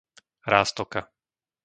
Ráztoka